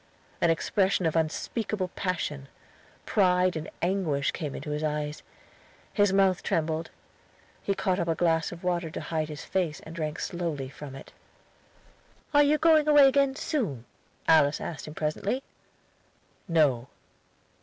An expression of unspeakable passion, pride, and anguish came into his eyes; his mouth trembled; he caught up a glass of water to hide his face, and drank slowly from it. "Are you going away again soon?" Alice asked him presently. "No."